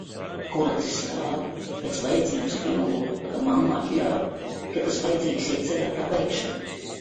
Kur acis rāda, pēc vajadzības piemelojot, ka mamma atļāva, kad tas vajadzīgs iecerētā veikšanai.